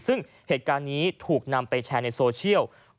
ซึ่งเหตุการณ์นี้ถูกนำไปแชร์ในโซเชียล